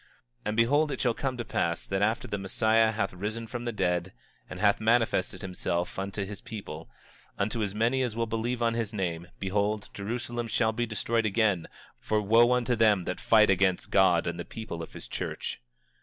25:14 And behold it shall come to pass that after the Messiah hath risen from the dead, and hath manifested himself unto his people, unto as many as will believe on his name, behold, Jerusalem shall be destroyed again; for wo unto them that fight against God and the people of his church.